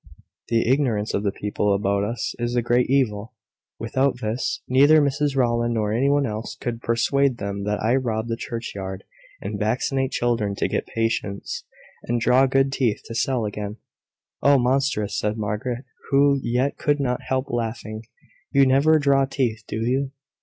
"The ignorance of the people about us is the great evil. Without this, neither Mrs Rowland, nor any one else, could persuade them that I rob the churchyard, and vaccinate children to get patients, and draw good teeth to sell again." "Oh, monstrous!" said Margaret, who yet could not help laughing. "You never draw teeth, do you?"